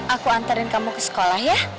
aku antarin kamu ke sekolah ya